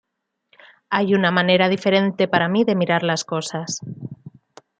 Hay una manera diferente para mí de mirar las cosas.